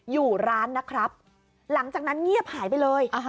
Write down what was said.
อยู่ร้านนะครับหลังจากนั้นเงียบหายไปเลย